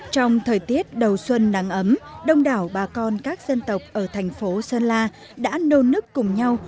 trong thời tiết đầu xuân nắng ấm đông đảo bà con các dân tộc ở thành phố sơn la đã nôn nức cùng nhau